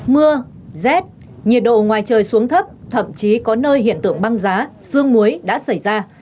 mưa rét nhiệt độ ngoài trời xuống thấp thậm chí có nơi hiện tượng băng giá xương muối đã xảy ra